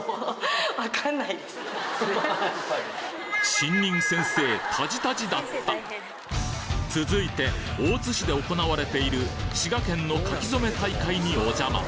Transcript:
新任続いて大津市で行われている滋賀県の書き初め大会にお邪魔。